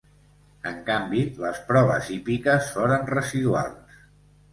En canvi, les proves hípiques foren residuals.